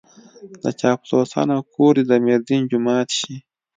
د چاپلوسانو کور دې د ميردين جومات شي.